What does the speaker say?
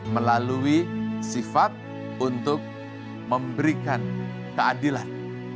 melalui sifat untuk memberikan keadilan